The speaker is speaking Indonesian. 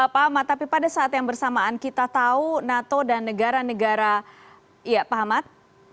pak ahmad tapi pada saat yang bersamaan kita tahu nato dan negara negara ya pak ahmad